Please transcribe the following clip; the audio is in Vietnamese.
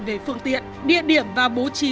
về phương tiện địa điểm và bố trí